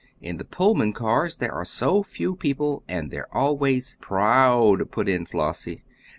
"In the Pullman cars there are so few people and they're always " "Proud," put in Flossie.